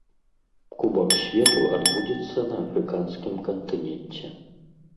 Кубак свету адбудзецца на афрыканскім кантыненце.